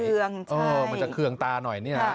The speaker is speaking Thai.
มันจะเคืองตาหน่อย